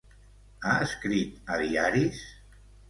Ha escrit a diaris?